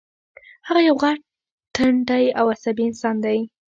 هغه یو غټ ټنډی او عصبي انسان دی